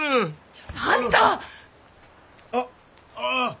ちょっとあんた！